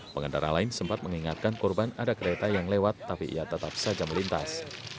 pengendara lain sempat mengingatkan korban ada kereta yang lewat tapi ia tetap saja melintas